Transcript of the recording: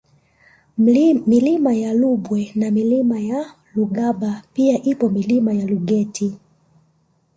Milima ya Lubwe na Mlima Lugaba pia ipo Milima ya Lugeti